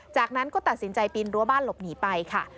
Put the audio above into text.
จากนั้นก็ตัดสินใจปีนรั้วบ้านหลบหนีไปค่ะ